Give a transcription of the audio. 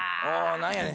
何やねん？